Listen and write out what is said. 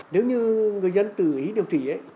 nếu như người dân tự ý điều trị